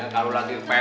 kalau lagi pepet sih